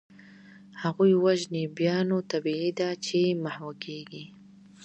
هغوی وژني، بیا نو طبیعي ده چي محوه کیږي.